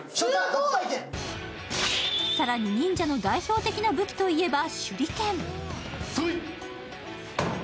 更に忍者の代表的な武器といえば手裏剣。